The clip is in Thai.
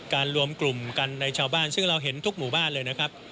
รวมกลุ่มกันในชาวบ้านซึ่งเราเห็นทุกหมู่บ้านเลยนะครับ